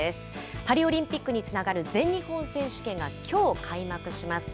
パリオリンピックにつながる全日本選手権がきょう開幕します。